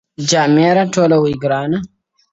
څوك به اوري كرامت د دروېشانو!